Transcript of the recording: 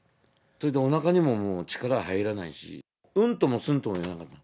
それで、おなかにももう力入らないし、うんともすんとも言わなかった。